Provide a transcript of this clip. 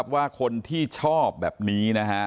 ว่าคนที่ชอบแบบนี้นะฮะ